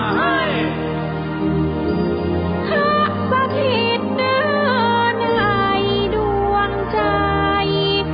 ถ้าสถิตย์เดินไหลดวงใจ